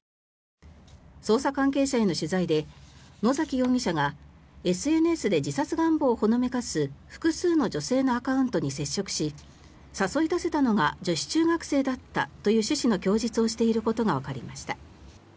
捜査関係者への取材で野崎容疑者がＳＮＳで自殺願望をほのめかす複数の女性のアカウントに接触し誘い出せたのが女子中学生だったという趣旨の供述をしていることがわかりました。